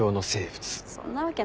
そんなわけないでしょ。